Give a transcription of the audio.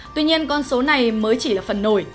tuy nhiên con số này mới chỉ là phần nổi